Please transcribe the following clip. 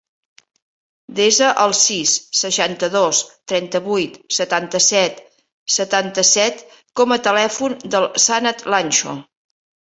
Desa el sis, seixanta-dos, trenta-vuit, setanta-set, setanta-set com a telèfon del Sanad Lancho.